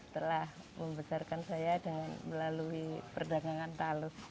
telah membesarkan saya dan melalui perdagangan talus